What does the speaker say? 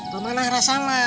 pak manahara sama